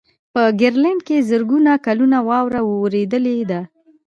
په ګرینلنډ کې زرګونه کلونه واوره ورېدلې ده.